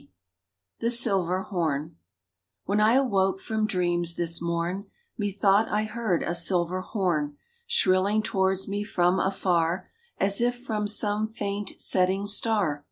62 XTbe Silver Iborn W HEN I awoke from dreams this morn, Methought I heard a silver horn Shrilling towards me from afar, As if from some faint, setting star